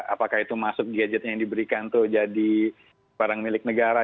apakah itu masuk gadgetnya yang diberikan itu jadi barang milik negara